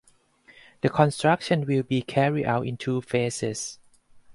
The construction will be carried out in two phases.